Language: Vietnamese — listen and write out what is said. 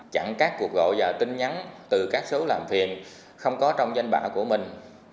chặn các cuộc gọi và tin nhắn từ các số làm phiền không có trong danh bạ của mình